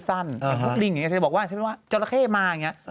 อย่างพวกลิงอย่างนี้จะบอกว่าเจ้าระเข้มาอย่างนี้